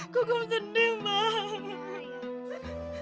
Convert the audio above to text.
kokom sedih mbak